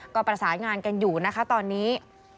ก็ประสานงานกันอยู่นะคะตอนนี้